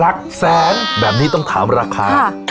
หลักแสนแบบนี้ต้องถามราคา